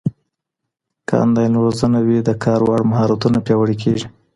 که انلاین روزنه وي، د کار وړ مهارتونه پیاوړي کېږي.